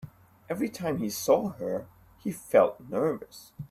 Every time he saw her, he felt nervous.